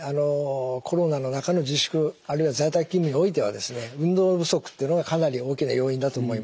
コロナの中の自粛あるいは在宅勤務においてはですね運動不足っていうのがかなり大きな要因だと思います。